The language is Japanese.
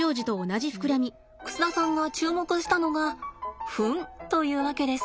で楠田さんが注目したのがフンというわけです。